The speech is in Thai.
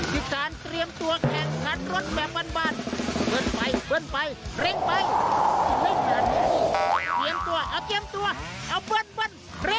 กิจการเตรียมตัวแข่งสวดแบบบรรบาวด์เริ่มไปเริ่มไป